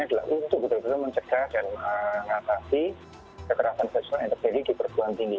adalah untuk betul betul mencegah dan mengatasi kekerasan seksual yang terjadi di perguruan tinggi